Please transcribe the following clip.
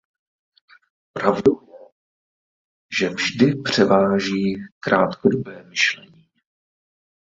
Pravdou je, že vždy převáží krátkodobé myšlení.